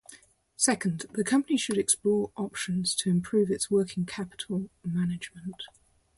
Second, the company should explore options to improve its working capital management.